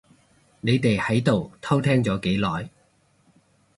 你哋喺度偷聽咗幾耐？